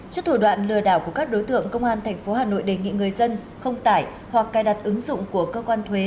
trước thủ đoạn lừa đảo của các đối tượng công an tp hà nội đề nghị người dân không tải hoặc cài đặt ứng dụng của cơ quan thuế